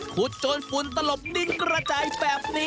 จนฝุ่นตลบนิ่งกระจายแบบนี้